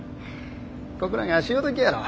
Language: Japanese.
ここらが潮時やろ。